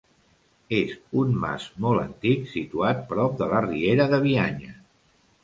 És un mas molt antic situat prop de la Riera de Bianya.